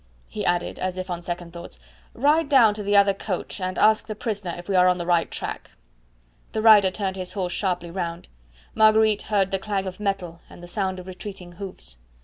he added, as if on second thoughts. "Ride down to the other coach and ask the prisoner if we are on the right track." The rider turned his horse sharply round. Marguerite heard the clang of metal and the sound of retreating hoofs.